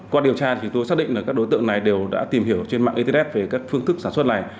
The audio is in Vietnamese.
qua điều tra thì tôi xác định là các đối tượng này đều đã tìm hiểu trên mạng internet về các phương thức sản xuất này